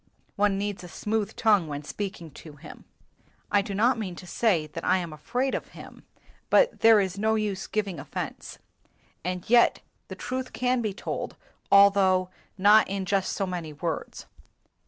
One needs a smooth tongue when speak ing to him. " I do not mean to say that I am afraid of 99 WHITE MAN OF WORK him, but there is no use giving offense. And yet the truth can be told, although not in just so many words.